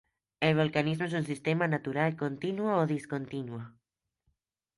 El volcanismo es un sistema natural, continuo o discontinuo.